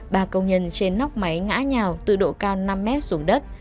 ba công nhân trên nóc máy ngã nhào từ độ cao năm m xuống đất